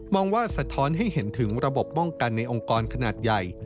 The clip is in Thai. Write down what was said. องว่าสะท้อนให้เห็นถึงระบบป้องกันในองค์กรขนาดใหญ่